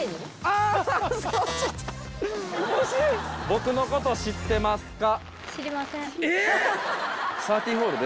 僕のこと知ってますか？